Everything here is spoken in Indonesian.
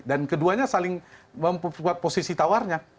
dan keduanya saling membuat posisi tawarnya